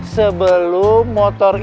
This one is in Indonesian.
sebelum motor ini